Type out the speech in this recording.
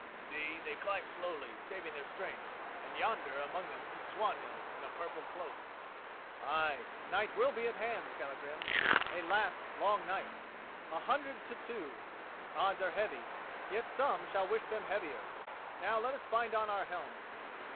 "See, they climb slowly, saving their strength, and yonder among them is Swanhild in a purple cloak." "Ay, night will be at hand, Skallagrim—a last long night! A hundred to two—the odds are heavy; yet some shall wish them heavier. Now let us bind on our helms."